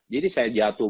jadi saya jatuh